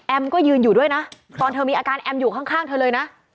ก็ยืนอยู่ด้วยนะตอนเธอมีอาการแอมอยู่ข้างเธอเลยนะ